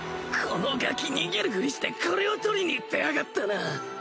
このガキ逃げるふりしてこれを取りに行ってやがったな